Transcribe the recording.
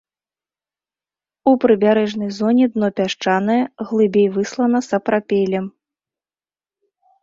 У прыбярэжнай зоне дно пясчанае, глыбей выслана сапрапелем.